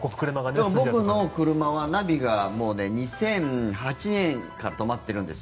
僕の車はナビが２００８年から止まってるんです。